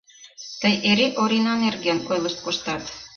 — Тый эре Орина нерген ойлышт коштат!